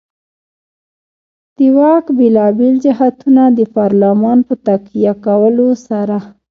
د واک بېلابېل جهتونه د پارلمان په تقویه کولو سره.